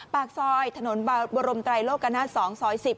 ปากซอยถนนบรมไตรโลกนาศ๒ซอย๑๐